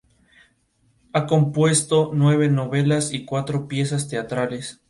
En los entornos con una interfaz gráfica de usuario.